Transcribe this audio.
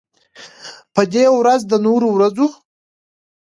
په دې ورځ د نورو ورځو